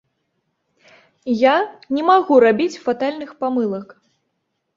Я не магу рабіць фатальных памылак.